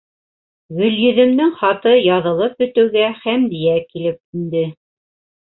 Гөлйөҙөмдөң хаты яҙылып бөтөүгә, Хәмдиә килеп инде.